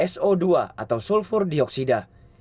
dua so dua atau sulfur dioksida